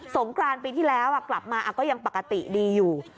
งกรานปีที่แล้วกลับมาก็ยังปกติดีอยู่